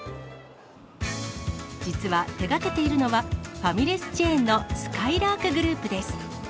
実は、手がけているのは、ファミレスチェーンのすかいらーくグループです。